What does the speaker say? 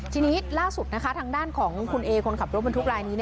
ทีนี้ล่าสุดนะคะทางด้านของคุณเอคนขับรถบรรทุกรายนี้